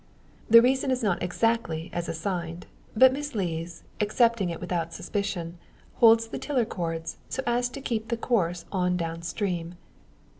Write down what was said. The reason is not exactly as assigned; but Miss Lees, accepting it without suspicion, holds the tiller cords so as to keep the course on down stream.